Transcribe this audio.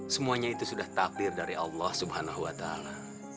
semuanya itu sudah takdir dari allah subhanahu wa ta'ala